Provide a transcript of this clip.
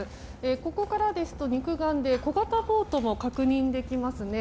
ここからですと肉眼で小型ボートが確認できますね。